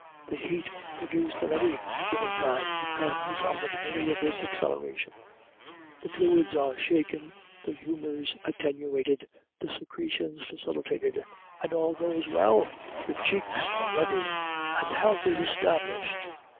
The heat produced in any given time depends on the degree of this acceleration; the fluids are shaken, the humors attenuated, the secretions facilitated, and all goes well; the cheeks are ruddy, and health is established.